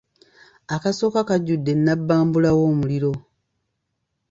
Akasooka kajjudde nnabbambula w'omuliro.